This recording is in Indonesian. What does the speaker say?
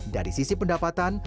dari sisi pendapatan